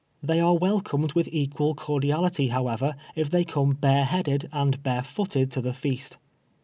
Tliey are welcomed with equal cordial ity, however, if they come bare headed and bare footed to the feast.